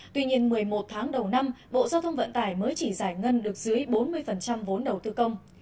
tuy nhiên một mươi một tháng đầu năm bộ giao thông vận tải mới chỉ giải ngân được dưới bốn mươi vốn đầu tư công